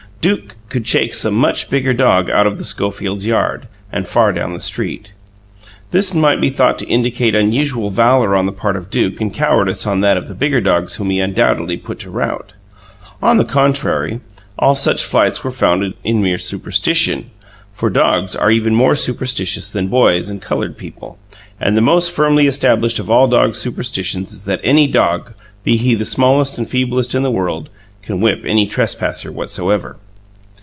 Duke could chase a much bigger dog out of the Schofields' yard and far down the street. This might be thought to indicate unusual valour on the part of Duke and cowardice on that of the bigger dogs whom he undoubtedly put to rout. On the contrary, all such flights were founded in mere superstition, for dogs are even more superstitious than boys and coloured people; and the most firmly established of all dog superstitions is that any dog be he the smallest and feeblest in the world can whip any trespasser whatsoever.